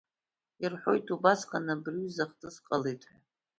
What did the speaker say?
Ирҳәоит убасҟан абри аҩыза ахҭыс ҟалеит ҳәа.